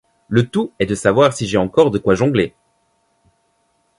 Le tout est de savoir si j’ai encore de quoi jongler.